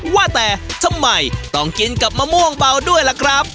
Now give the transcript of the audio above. ว่าแต่ทำไมต้องกินกับมะม่วงเบาด้วยล่ะครับ